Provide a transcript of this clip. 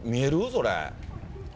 それ。